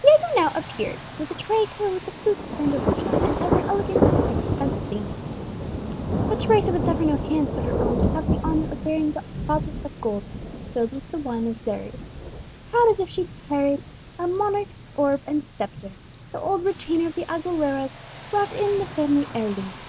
Diego now appeared with a tray covered with the fruits of Andalusia, and other elegant but inexpensive dainties. But Teresa would suffer no hands but her own to have the honour of bearing the goblet of gold, filled with the wine of Xeres. Proud as if she carried a monarch's orb and sceptre, the old retainer of the Aguileras brought in the family heirloom.